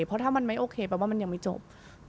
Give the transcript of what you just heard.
เพราะถ้ามันไม่โอเคแปลว่ามันยังไม่จบ